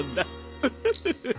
ウフフフフ。